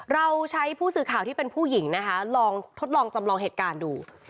เราใช้ผู้สื่อข่าวที่เป็นผู้หญิงนะคะลองทดลองจำลองเหตุการณ์ดู